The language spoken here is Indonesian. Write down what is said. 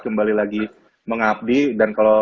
kembali lagi mengabdi dan kalau